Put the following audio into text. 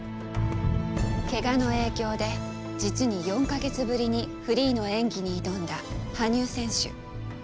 ケガの影響で実に４か月ぶりにフリーの演技に挑んだ羽生選手。